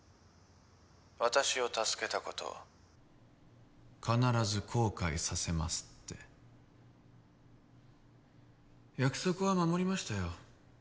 私を助けたこと必ず後悔させますって約束は守りましたよ